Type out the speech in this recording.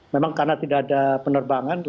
memang karena tidak ada penerbangan